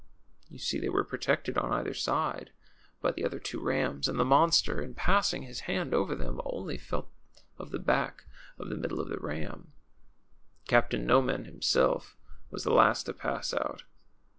You see they were protected^ on either side^ by the other two rams ; and the monster, in passing his hand over them, only felt of the back of the middle ram. Captain Noman himself was the last to pass out.